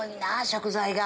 食材が。